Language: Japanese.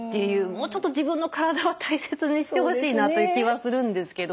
もうちょっと自分の体は大切にしてほしいなという気はするんですけど。